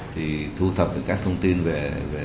thì thu thập các thông tin về